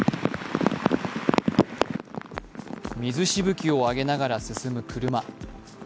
水しぶきを上げながら進む車。